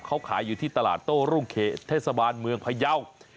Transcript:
เขาขายอยู่ที่ตลาดโต้รุ่งเขตเทศบาลเมืองพยาว